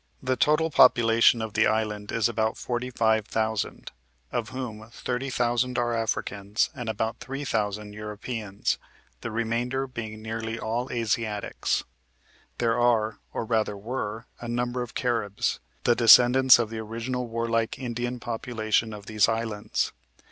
The total population of the island is about 45,000, of whom 30,000 are Africans and about 3,000 Europeans, the remainder being nearly all Asiatics. There are, or rather were, a number of Caribs, the descendants of the original warlike Indian population of these islands.